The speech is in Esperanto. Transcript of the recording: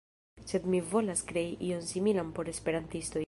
Sed mi volas krei ion similan por esperantistoj